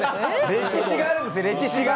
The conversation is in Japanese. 歴史があるんです、歴史が。